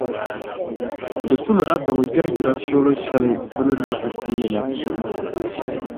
Di tu ni Adamu gbɛri jilansooro shɛli bɛ ni lɔhi tim ni la puuni.